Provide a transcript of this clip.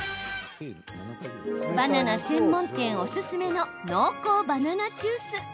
バナナ専門店おすすめの濃厚バナナジュース。